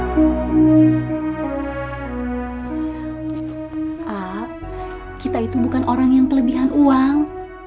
pak a kita itu bukan orang yang kelebihan uang